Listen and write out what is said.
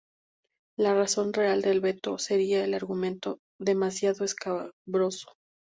La razón real del veto sería el argumento, demasiado escabroso.